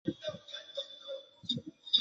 而背面图案则显示了富士山取景和樱花。